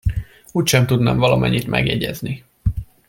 Úgysem tudnám valamennyit megjegyezni.